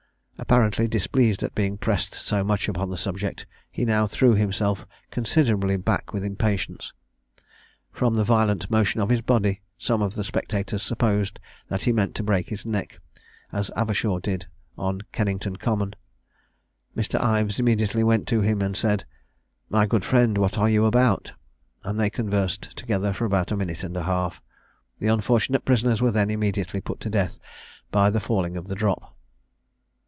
Apparently displeased at being pressed so much upon the subject, he now threw himself considerably back with impatience. From the violent motion of his body, some of the spectators supposed that he meant to break his neck, as Avershaw did on Kennington common; Mr. Ives immediately went to him and said, "My good friend, what are you about?" and they conversed together for about a minute and a half. The unfortunate prisoners were then immediately put to death by the falling of the drop.